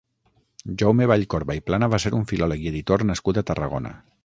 Jaume Vallcorba i Plana va ser un filòleg i editor nascut a Tarragona.